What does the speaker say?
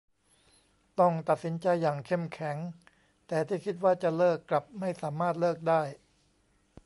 ต้องตัดสินใจอย่างเข้มแข็ง แต่ที่คิดว่าจะเลิกกลับไม่สามารถเลิกได้